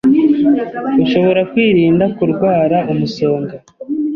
Ushobora kwirinda kurwara umusonga